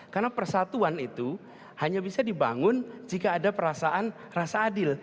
karena persatuan itu hanya bisa dibangun jika ada perasaan rasa adil